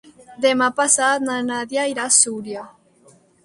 Demà passat na Nàdia irà a Súria.